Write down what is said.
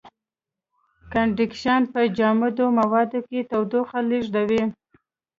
کنډکشن په جامدو موادو کې تودوخه لېږدوي.